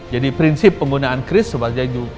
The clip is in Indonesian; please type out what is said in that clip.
jadi prinsip penggunaan kris seperti itu